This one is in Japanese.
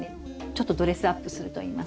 ちょっとドレスアップするといいますか。